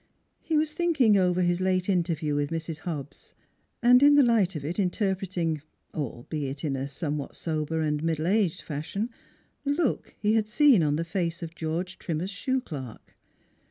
He was thinking over his late interview with Mrs. Hobbs, and in the light of it interpreting albeit in a somewhat sober and middle aged fashion the look he had seen on the face of George Trim mer's shoe clerk.